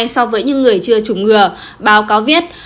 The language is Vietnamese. so với những người chưa chủng ngừa báo cáo viết